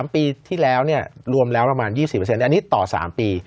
๓ปีที่แล้วรวมแล้วประมาณ๒๐อันนี้ต่อ๓ปี